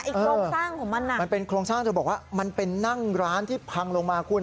โครงสร้างของมันอ่ะมันเป็นโครงสร้างเธอบอกว่ามันเป็นนั่งร้านที่พังลงมาคุณ